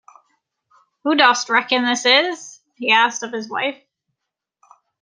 “Who dost reckon this is?” he asked of his wife.